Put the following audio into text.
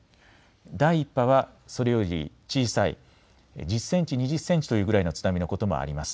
第１波はそれより小さい１０センチ、２０センチというぐらいの津波のこともあります。